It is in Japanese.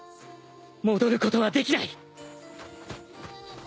戻ることはできない！